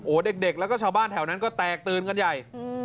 เด็กแล้วก็ชาวบ้านแถวนั้นก็แตกตื่นกันใหญ่